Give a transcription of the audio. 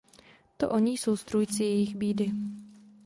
To oni jsou strůjci jejich bídy.